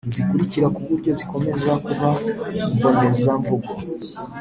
zikurikira ku buryo zikomeza kuba mboneza mvugo